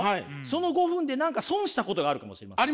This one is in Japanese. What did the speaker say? その５分で何か損したことがあるかもしれません。